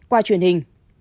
và truyền hình